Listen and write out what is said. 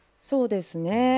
そうですね。